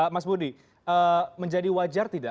mas budi menjadi wajar tidak